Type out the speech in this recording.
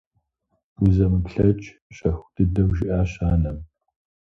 Узэмыплъэкӏ… – щэху дыдэу жиӀащ анэм.